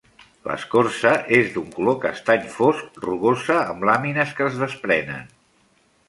L'escorça és d'un color castany fosc, rugosa amb làmines que es desprenen.